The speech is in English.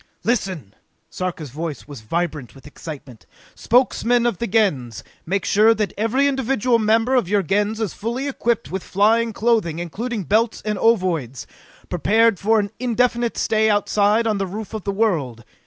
"Listen!" Sarka's voice was vibrant with excitement. "Spokesmen of the Gens, make sure that every individual member of your Gens is fully equipped with flying clothing including belts and ovoids prepared for an indefinite stay outside on the roof of the world!